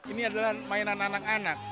ini adalah mainan anak anak